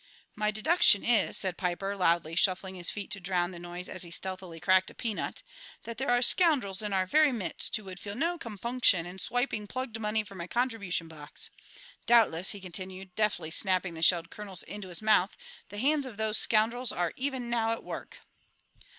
"My deduction is," said Piper, loudly shuffling his feet to drown the noise as he stealthily cracked a peanut, "that there are scoundrels in our very midst who would feel no compunction in swiping plugged money from a contribution box. Doubtless," he continued, deftly snapping the shelled kernels into his mouth, "the hands of those scoundrels are even now at work."